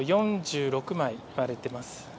４６枚割れてます。